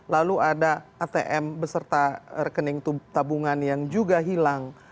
lalu ada atm beserta rekening tabungan yang juga hilang